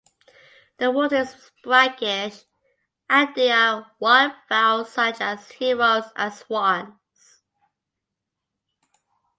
The water is brackish and there are wildfowl such as herons and swans.